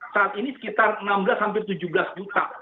saat ini sekitar enam belas sampai tujuh belas juta